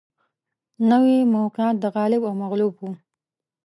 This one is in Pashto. نوي موقعیت د غالب او مغلوب و